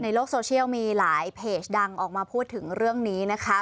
ในโลกโซเชียลมีหลายเพจดังออกมาพูดถึงเรื่องนี้นะคะ